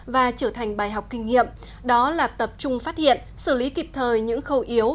và trở thành bài học kinh nghiệm đó là tập trung phát hiện xử lý kịp thời những khâu yếu